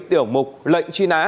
tiểu mục lệnh truy nã